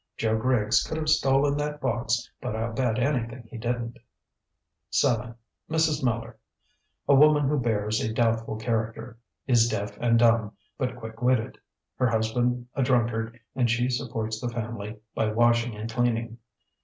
Joe Griggs could have stolen that box but I'll bet anything he didn't. "7. Mrs. Miller. A woman who bears a doubtful character. Is deaf and dumb, but quick witted. Her husband a drunkard and she supports the family by washing and cleaning.